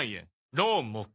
ローンも可。